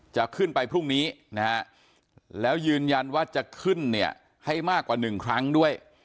จะขึ้นไปพรุ่งนี้นะฮะแล้วยืนยันว่าจะขึ้นเนี่ยให้มากกว่า๑ครั้งด้วย